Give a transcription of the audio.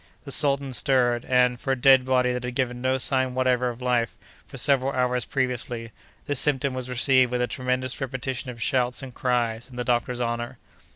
The sultan stirred, and, for a dead body that had given no sign whatever of life for several hours previously, this symptom was received with a tremendous repetition of shouts and cries in the doctor's honor.